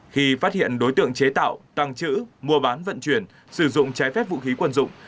khi phát hiện đối tượng chế tạo tăng chữ mua bán vận chuyển sử dụng trái phép vũ khí quân dụng